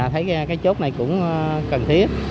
thấy cái chốt này cũng cần thiết